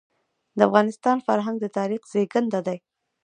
د افغانستان فرهنګ د تاریخ زېږنده دی.